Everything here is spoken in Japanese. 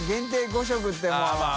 ５食ってもう。